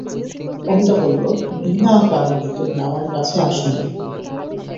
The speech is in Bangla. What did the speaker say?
অমিতা বলল, বিনা কারণে তুমি আমার কাছে আস নি।